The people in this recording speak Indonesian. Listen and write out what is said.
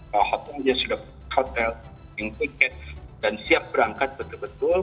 bahwa hotelnya sudah hotel yang tiket dan siap berangkat betul betul